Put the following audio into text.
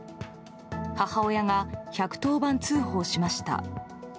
母親が１１０番通報しました。